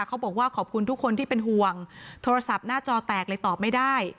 เขาบอกว่าขอบคุณทุกคนที่เป็นห่วงโทรศัพท์หน้าจอแตกเลยตอบไม่ได้